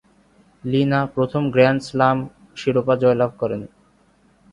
লি Na প্রথম grand slam শিরোপা জয়লাভ করেন।